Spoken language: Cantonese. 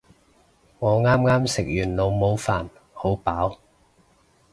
我啱啱食完老母飯，好飽